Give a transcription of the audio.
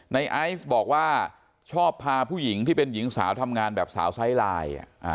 ไอซ์บอกว่าชอบพาผู้หญิงที่เป็นหญิงสาวทำงานแบบสาวไซส์ไลน์